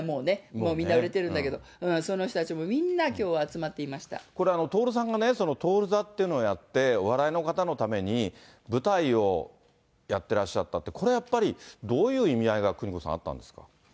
もうみんな売れてるんだけど、その人たちもみんなきょうは集まっこれ、徹さんがね、徹☆座っていうのをやって、お笑いの方のために、舞台をやってらっしゃったって、これやっぱりどういう意味合いが邦子さん、あったんですか？